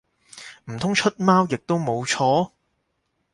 唔通出貓亦都冇錯？